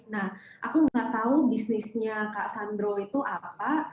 nah aku nggak tahu bisnisnya kak sandro itu apa